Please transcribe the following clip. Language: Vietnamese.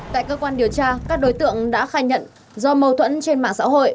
tại cơ quan điều tra các đối tượng đã khai nhận do mâu thuẫn trên mạng xã hội